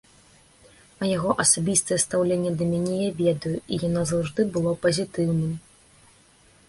А яго асабістае стаўленне да мяне я ведаю і яно заўжды было пазітыўным.